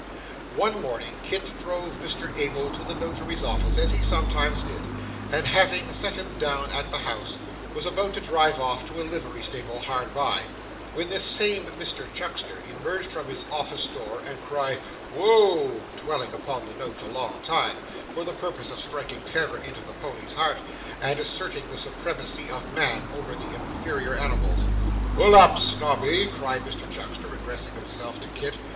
One morning Kit drove Mr Abel to the Notary's office, as he sometimes did, and having set him down at the house, was about to drive off to a livery stable hard by, when this same Mr Chuckster emerged from the office door, and cried 'Woa a a a a a!' dwelling upon the note a long time, for the purpose of striking terror into the pony's heart, and asserting the supremacy of man over the inferior animals. 'Pull up, Snobby,' cried Mr Chuckster, addressing himself to Kit.